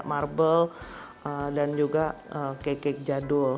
marble dan juga kek kek jadul